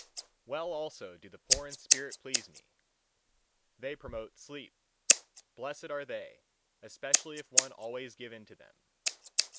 Well, also, do the poor in spirit please me: they promote sleep. Blessed are they, especially if one always give in to them.